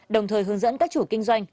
đồng thời hướng dẫn các chủ kinh doanh